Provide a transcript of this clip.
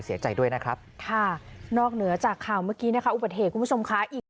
เสียใจด้วยนะครับค่ะนอกเหนือจากข่าวเมื่อกี้นะคะอุบัติเหตุคุณผู้ชมค่ะอีก